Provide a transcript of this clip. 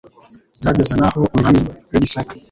Byageza n'aho umwami w'i Gisaka,